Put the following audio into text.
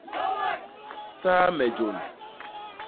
Saa me jôn.